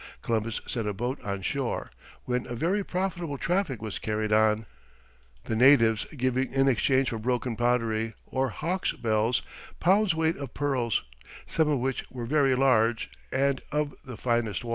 Columbus sent a boat on shore, when a very profitable traffic was carried on, the natives giving in exchange for broken pottery or hawks' bells, pounds' weight of pearls, some of which were very large, and of the finest water.